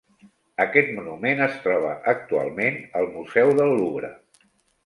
Aquest monument es troba actualment al Museu del Louvre.